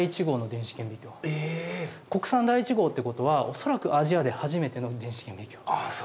国産第１号ってことは恐らくアジアで初めての電子顕微鏡。